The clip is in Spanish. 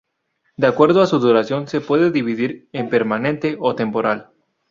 De acuerdo a su duración se puede dividir en permanente o temporal.